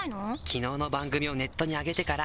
「昨日の番組をネットにあげてから」